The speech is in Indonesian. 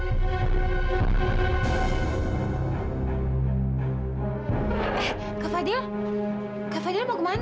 kak fadil kak fadil mau ke mana